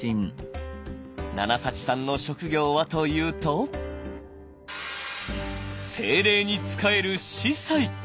ナナ・サチさんの職業はというと精霊に仕える司祭。